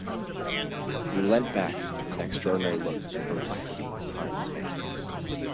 He leant back with an extraordinary look of perplexity upon his face.